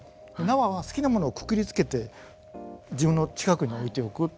縄は好きなものをくくりつけて自分の近くに置いておく。